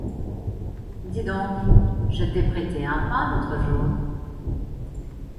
Dis donc, je t'ai prêté un pain, l'autre jour.